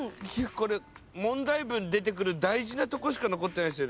これ問題文出てくる大事なとこしか残ってないっすよね。